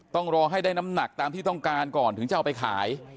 ต้องรอให้ได้น้ำหนักตามที่ต้องการก่อนถึงจะเอาไปขาย